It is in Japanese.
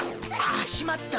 あしまった。